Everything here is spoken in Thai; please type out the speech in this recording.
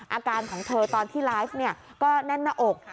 อาการของเธอตอนที่ไลฟ์ก็แน่นหน้าอก